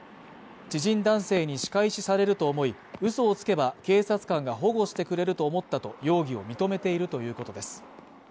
知人男性に仕返しされると思い嘘をつけば警察官が保護してくれると思ったと容疑を認めているということです